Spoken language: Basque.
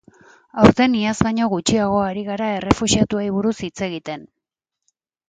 Aurten iaz baino gutxiago ari gara errefuxiatuei buruz hitz egiten.